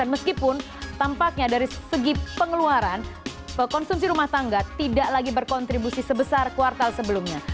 meskipun tampaknya dari segi pengeluaran konsumsi rumah tangga tidak lagi berkontribusi sebesar kuartal sebelumnya